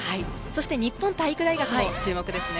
日本体育大学も注目ですね。